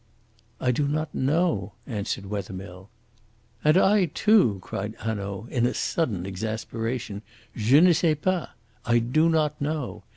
"I do not know," answered Wethermill. "And I, too," cried Hanaud, in a sudden exasperation, "je ne sais pas. I do not know.